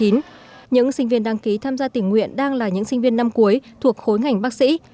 những sinh viên đăng ký tham gia tình nguyện đang là những sinh viên năm cuối thuộc khối ngành bác sĩ